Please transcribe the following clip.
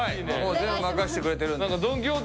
全部任せてくれてるんで。